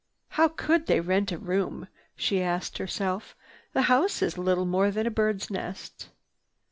"How could they rent a room?" she asked herself. "The house is little more than a bird's nest."